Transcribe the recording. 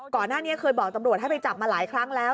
ก่อนหน้านี้เคยบอกตำรวจให้ไปจับมาหลายครั้งแล้ว